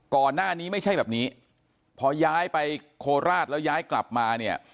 ก่อนหน้านี้ไม่ใช่แบบนี้พอย้ายไปโคราชแล้วย้ายกลับมาเนี่ย